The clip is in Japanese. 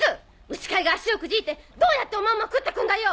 牛飼いが足をくじいてどうやってオマンマ食ってくんだよ！